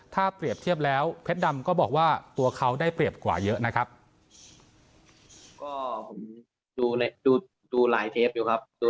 ถ้าเปรียบเทียบแล้วเพชรดำก็บอกว่าตัวเขาได้เปรียบกว่าเยอะนะครับ